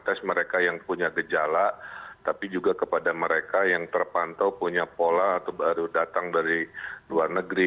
tes mereka yang punya gejala tapi juga kepada mereka yang terpantau punya pola atau baru datang dari luar negeri